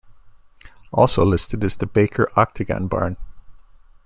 Also listed is the Baker Octagon Barn.